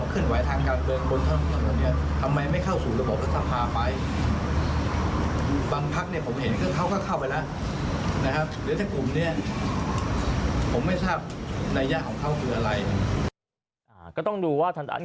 ผมไม่ทราบนัยยะของเขาคืออะไร